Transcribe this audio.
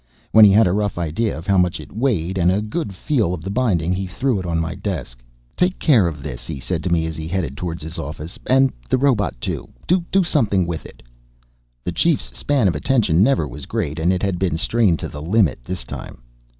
When he had a rough idea of how much it weighed and a good feel of the binding he threw it on my desk. "Take care of this," he said to me as he headed towards his office. "And the robot, too. Do something with it." The Chief's span of attention never was great and it had been strained to the limit this time.